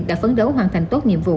đã phấn đấu hoàn thành tốt nhiệm vụ